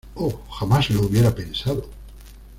¡Oh jamás lo hubiera pensado!